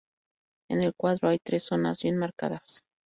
En el cuadro hay tres zonas bien marcadas.